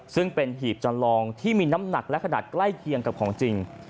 ซึ่งเป็นหีบจำลองที่มีน้ำหนักและขนาดใกล้เคียงกับของจริง